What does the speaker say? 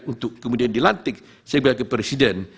untuk kemudian dilantik sebagai presiden